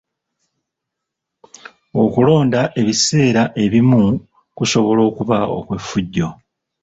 Okulonda ebiseera ebimu kusobola okuba okw'effujjo.